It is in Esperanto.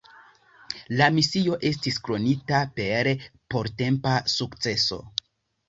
La misio estis kronita per portempa sukceso.